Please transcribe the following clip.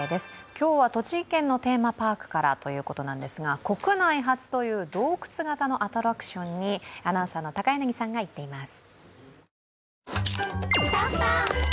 今日は栃木県のテーマパークからということなんですが国内初という洞窟型のアトラクションにアナウンサーの高柳さんが行っています。